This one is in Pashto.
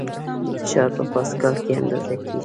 فشار په پاسکال کې اندازه کېږي.